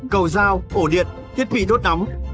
cầu dao ổ điện thiết bị đốt nóng